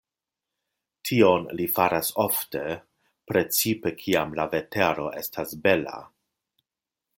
Tion li faras ofte, precipe kiam la vetero estas bela.